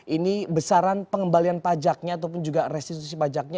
ini besaran pengembalian pajaknya ataupun juga restitusi pajaknya